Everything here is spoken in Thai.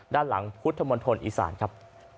ด้านหลังพุทธมณฑลอีสานครับ